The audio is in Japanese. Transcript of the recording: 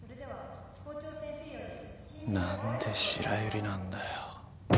何で白百合なんだよ。